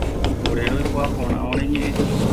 Ore roikuaa porã ore ñe'ẽ